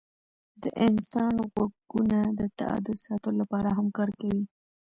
د انسان غوږونه د تعادل ساتلو لپاره هم کار کوي.